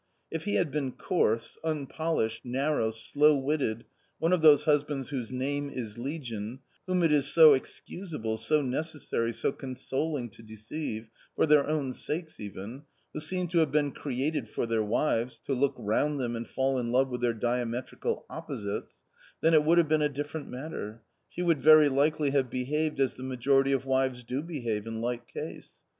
If he had been coarse, unpolished, narrow, slow witted, one of those husbands whose name is legion, whom it is so excusable, so necessary, so consoling to deceive, for their own sakes even, who seem to have been created for their wives, to look round them and fall in love with their diametrical opposites — then it would have been a different matter ; she would very likely have behaved as the majority of wives do behave in like case.